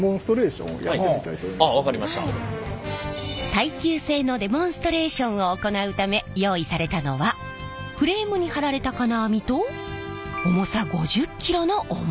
耐久性のデモンストレーションを行うため用意されたのはフレームに張られた金網と重さ５０ｋｇのおもり！